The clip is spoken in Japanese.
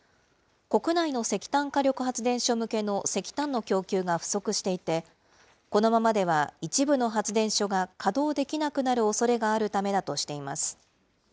国内の石炭火力発電所向けの石炭の供給が不足していて、このままでは一部の発電所が稼働できなくなるおそれがあるためだとしています。